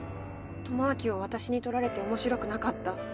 智明を私に取られて面白くなかった。